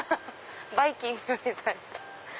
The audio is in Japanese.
バイキングみたいな。